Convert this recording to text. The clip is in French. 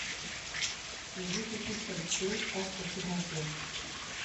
Les deux équipes qualifiées passent au second tour.